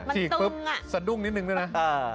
ฉีกปุ๊บสะดุ้งนิดนึงด้วยนะ